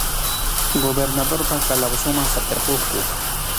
Gobernadorpa calabozonman satʼirquqku.